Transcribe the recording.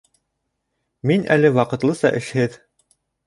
Мин әле ваҡытлыса эшһеҙ